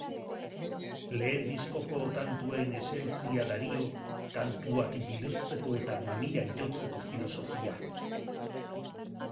Lehen diskoko kantuen esentzia dario, kantuak biluzteko eta mamira jotzeko filosofia.